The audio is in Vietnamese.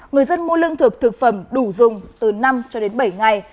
người dân mua lương thực thực phẩm đủ dùng từ năm cho đến bảy ngày